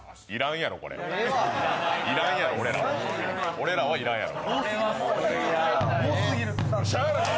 俺らはいらんやろ。